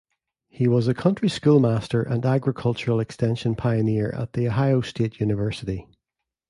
He was a country schoolmaster and agriculture extension pioneer at The Ohio State University.